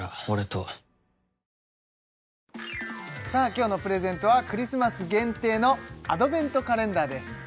今日のプレゼントはクリスマス限定のアドベントカレンダーです